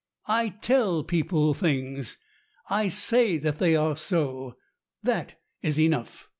I tell people things. I say that they are so. That is enough.